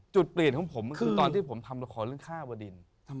จุดเปลี่ยนของผมก็คือตอนที่ผมทำละครเรื่องค่าวดิน